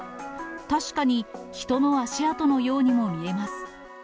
確かに人の足跡のようにも見えます。